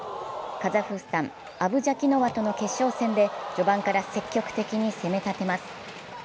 カザフスタン・アブジャキノワとの決勝戦で序盤から積極的に攻めたてます。